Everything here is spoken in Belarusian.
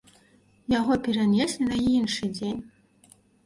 Яго перанеслі на іншы дзень.